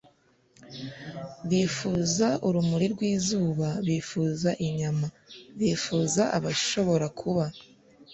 Bifuza urumuri rwizuba bifuza inyama bifuza abashoborakuba